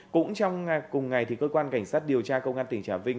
cũng trong cùng ngày cơ quan cảnh sát điều tra công an tỉnh trà vinh